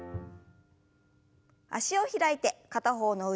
脚を開いて片方の腕を上に。